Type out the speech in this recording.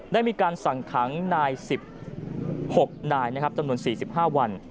ได้มีการสั่งขังนาย๑๖นายนะครับจำนวน๔๕วัน